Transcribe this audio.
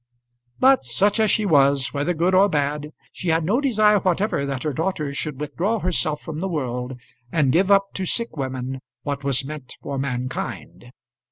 But such as she was, whether good or bad, she had no desire whatever that her daughter should withdraw herself from the world, and give up to sick women what was meant for mankind.